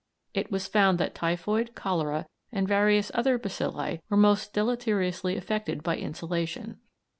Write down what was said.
It was found that typhoid, cholera, and various other bacilli were most deleteriously affected by insolation.